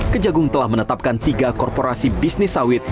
kejagung telah menetapkan tiga korporasi bisnis sawit